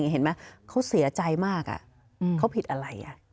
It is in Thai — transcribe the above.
เห็นไหมเขาเสียใจมากเขาผิดอะไร